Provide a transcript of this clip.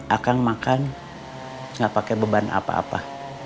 akang makan gak pake beban apa apa